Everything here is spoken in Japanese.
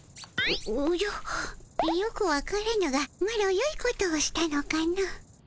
おじゃよくわからぬがマロよいことをしたのかの？